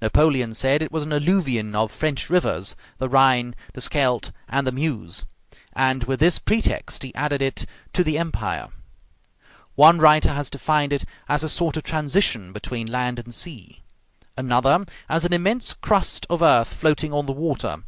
Napoleon said it was an alluvion of French rivers, the Rhine, the Scheldt, and the Meuse, and with this pretext he added it to the Empire. One writer has defined it as a sort of transition between land and sea. Another, as an immense crust of earth floating on the water.